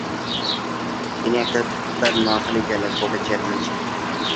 তিনি একাধিকবার নোয়াখালী জেলা বোর্ডের চেয়ারম্যান ছিলেন।